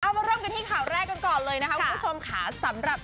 มาเริ่มกันที่ข่าวแรกกันก่อนเลยนะคะคุณผู้ชมค่ะสำหรับ